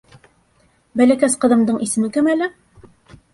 Бәләкәс ҡыҙымдың исеме кем әле?